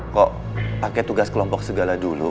kok pakai tugas kelompok segala dulu